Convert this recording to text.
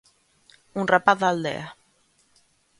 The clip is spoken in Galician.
Un rapaz da aldea.